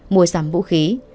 mua sắm vũ khí